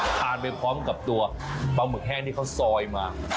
ทานไปพร้อมกับตัวปลาหมึกแห้งที่เขาซอยมา